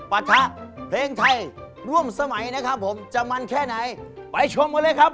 รอบที่๑ยกที่๒เริ่ม